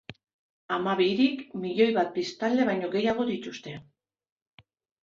Hamabi hirik milioi bat biztanle baino gehiago dituzte.